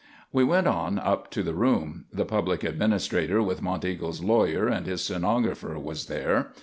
We went on up to the room. The Public Administrator, with Monteagle's lawyer and his stenographer, was there.